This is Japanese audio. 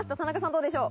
どうでしょう？